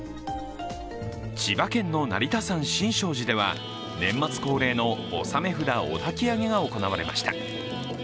千葉県の成田山新勝寺では年末恒例の納め札お焚き上げが行われました。